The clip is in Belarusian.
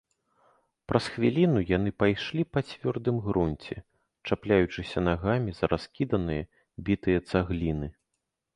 Праз хвіліну яны пайшлі па цвёрдым грунце, чапляючыся нагамі за раскіданыя бітыя цагліны.